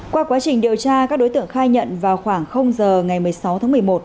qua quá trình điều tra các đối tượng khai nhận vào khoảng giờ ngày một mươi sáu tháng một mươi một